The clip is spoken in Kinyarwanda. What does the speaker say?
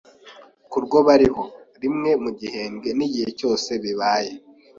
ku rwo bariho, rimwe mu gihembwe n’igihe cyose bibaye